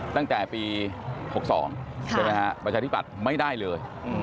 ตั้งแต่ปี๖๒ประชาธิบัติไม่ได้เลย